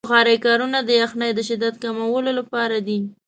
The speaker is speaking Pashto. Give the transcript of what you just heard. د بخارۍ کارونه د یخنۍ د شدت کمولو لپاره دی.